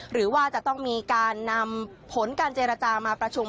หรือว่าจะต้องมีการนำผลการเจรจามาประชุม